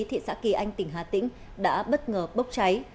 thị xã kỳ anh tỉnh hà tĩnh đã bất ngờ bốc cháy